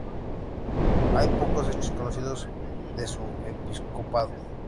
Hay pocos hechos conocidos de su episcopado.